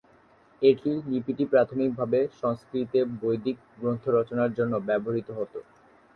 এটি লিপিটি প্রাথমিকভাবে সংস্কৃতে বৈদিক গ্রন্থ রচনার জন্য ব্যবহৃত হত।